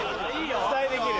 期待できる。